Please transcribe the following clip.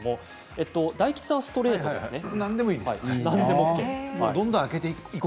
大吉さんはストレートですね。